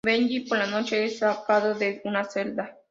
Bellick por la noche es sacado de su celda.